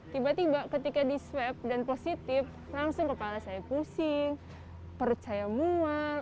tiba tiba ketika diswep dan positif langsung kepala saya pusing perut saya mual